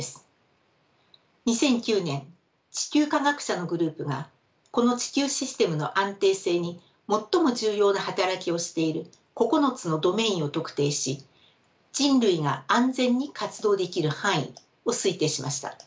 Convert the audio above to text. ２００９年地球科学者のグループがこの地球システムの安定性に最も重要な働きをしている９つのドメインを特定し人類が安全に活動できる範囲を推定しました。